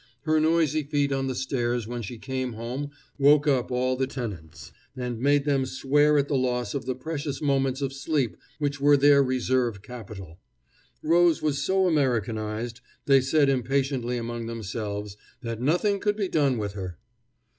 Her noisy feet on the stairs when she came home woke up all the tenants, and made them swear at the loss of the precious moments of sleep which were their reserve capital. Rose was so Americanized, they said impatiently among themselves, that nothing could be done with her.